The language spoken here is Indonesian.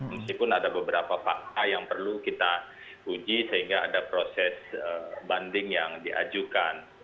meskipun ada beberapa fakta yang perlu kita uji sehingga ada proses banding yang diajukan